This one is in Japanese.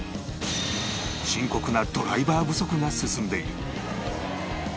深刻なドライバー不足が進んでいる